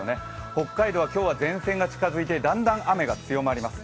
北海道は今日は前線が近づいてだんだん雨が強まります。